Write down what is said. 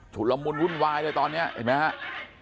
ละมุนวุ่นวายเลยตอนนี้เห็นไหมครับ